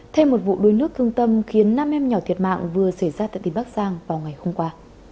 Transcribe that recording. thêm một vụ đuối nước thương tâm khiến năm em nhỏ thiệt mạng vừa xảy ra tại tỉnh bắc giang vào ngày hôm qua